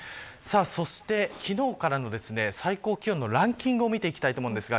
そして、昨日からの最高気温のランキングを見ていきたいと思うんですが